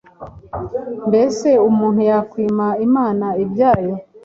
Mbese umuntu yakwima Imana ibyayo?